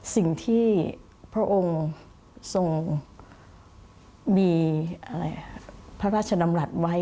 สิ่งที่พระองค์ทรงมีพระราชดำรัฐไว้